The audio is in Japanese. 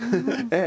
ええ。